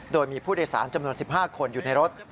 โดยมีผู้โดยสารจำนวน๑๕คนอยู่ในรถ